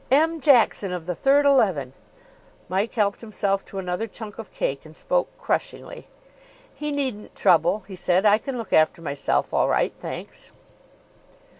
M. Jackson, of the third eleven!!! Mike helped himself to another chunk of cake, and spoke crushingly. "He needn't trouble," he said. "I can look after myself all right, thanks."